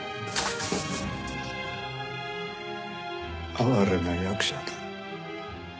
「哀れな役者だ」。